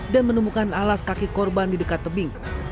dan menemukan alas kaki korban di dekat tebing